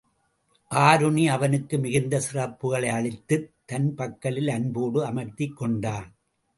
ஆருணி அவனுக்கு மிகுந்த சிறப்புக்களை அளித்துத் தன் பக்கலில் அன்போடு அமர்த்திக் கொண்டான்.